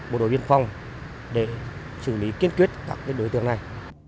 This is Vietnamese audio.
bộ đội biên phòng để xử lý kiên quyết các đối tượng này